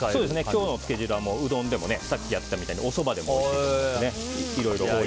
今日のつけ汁はうどんでもさっきやったみたいにおそばでもおいしいと思います。